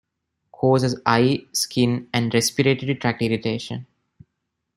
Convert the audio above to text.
Causes eye, skin, and respiratory tract irritation.